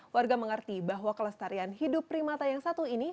warga mengerti bahwa kelestarian hidup primata yang satu ini